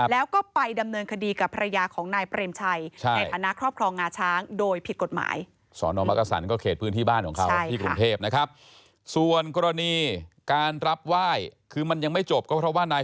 แล้วก็ไปดำเนินคดีกับภรรยาของนายเปรมชัย